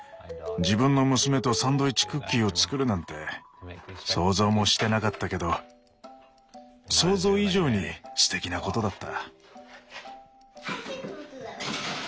自分の娘とサンドイッチクッキーを作るなんて想像もしてなかったけど想像以上にすてきなことだった。